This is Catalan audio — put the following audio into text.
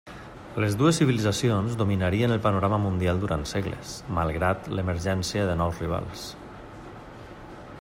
Les dues civilitzacions dominarien el panorama mundial durant segles, malgrat l'emergència de nous rivals.